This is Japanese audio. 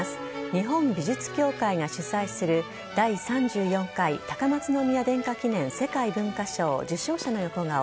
日本美術協会が主催する第３４回高松宮殿下記念世界文化賞受賞者の横顔。